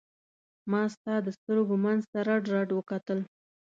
ما ستا د سترګو منځ ته رډ رډ وکتل.